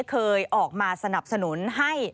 เคยออกมาสนับสนุนให้